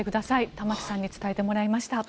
玉城さんに伝えていただきました。